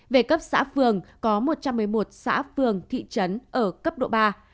về cấp xã phường có một trăm một mươi một xã phường thị trấn ở cấp độ ba